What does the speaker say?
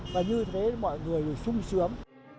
và như thế mọi người là sung sướng